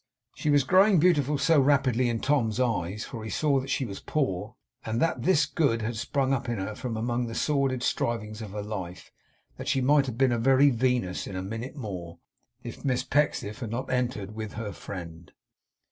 She was growing beautiful so rapidly in Tom's eyes; for he saw that she was poor, and that this good had sprung up in her from among the sordid strivings of her life; that she might have been a very Venus in a minute more, if Miss Pecksniff had not entered with her friend.